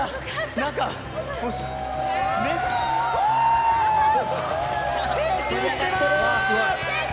なんか、めっちゃ、青春してます！